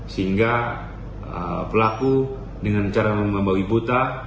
sehingga pelaku dengan cara membawa ibu tak